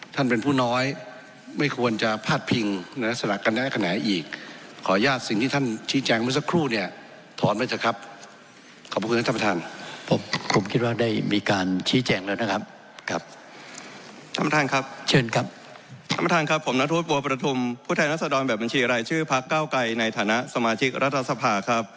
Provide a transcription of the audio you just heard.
ท่านเป็นผู้น้อยไม่ควรจะภาดพิงในสละกระแนะกระแหนะอีก